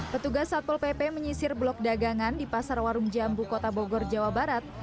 petugas satpol pp menyisir blok dagangan di pasar warung jambu kota bogor jawa barat